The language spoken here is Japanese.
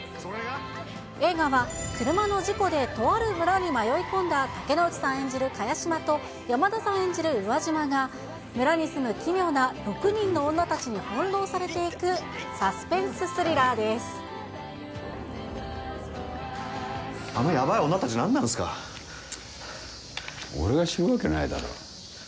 映画は、車の事故で、とある村に迷い込んだ竹野内さん演じる萱島と、山田さん演じる宇和島が村に住む奇妙な六人の女たちに翻弄されてあのやばい女たち、何なんで俺が知るわけないだろ。